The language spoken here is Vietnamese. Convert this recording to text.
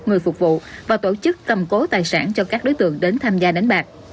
người phục vụ và tổ chức cầm cố tài sản cho các đối tượng đến tham gia đánh bạc